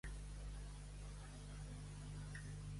Estar tin-te i no caigues.